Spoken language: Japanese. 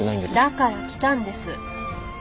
だから来たんです。